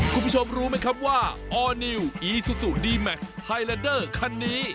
คุณผู้ชมรู้ไหมครับว่าออร์นิวอีซูซูดีแม็กซ์ไฮแลนเดอร์คันนี้